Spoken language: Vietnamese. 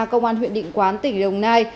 công an huyện định quán tỉnh đồng nai